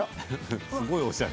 すごいおしゃれ。